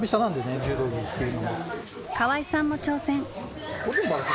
河合さんも挑戦。